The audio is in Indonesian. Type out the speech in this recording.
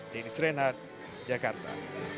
denny srenat jakarta